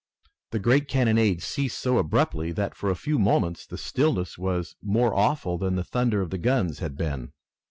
The great cannonade ceased so abruptly that for a few moments the stillness was more awful than the thunder of the guns had been.